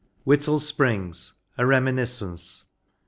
WHITTLE SPRINGS. (a reminiscence.)